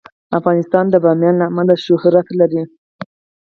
افغانستان د بامیان له امله شهرت لري.